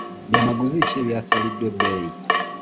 Byamaguzi ki ebyasaliddwa ebbeeyi?